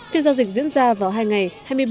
phiên giao dịch diễn ra vào hai ngày